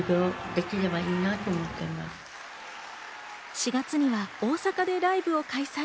４月には大阪でライブを開催。